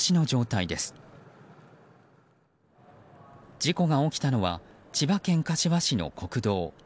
事故が起きたのは千葉県柏市の国道。